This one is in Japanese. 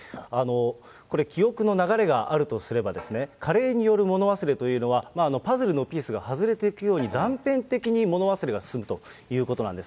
これ、記憶の流れがあるとすればですね、加齢による物忘れというのは、パズルのピースが外れていくように、断片的に物忘れが進むというものなんです。